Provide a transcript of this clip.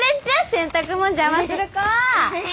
洗濯物邪魔する子は！